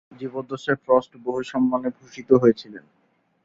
জীবদ্দশায় ফ্রস্ট বহু সম্মানে ভূষিত হয়েছিলেন।